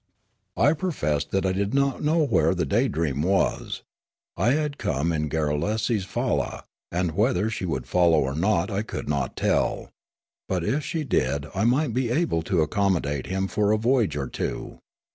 I professed that I did not know where the Daydreain was ; I had come in Garrulesi's falla, and whether she would follow or not I could not tell ; but if she did I might be able to accommodate him for a voyage or two.